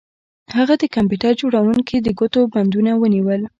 هغه د کمپیوټر جوړونکي د ګوتو بندونه ونیول